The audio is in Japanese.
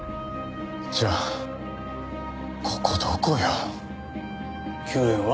じゃあここどこよ？救援は？